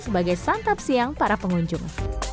sebagai santap siang para pengunjung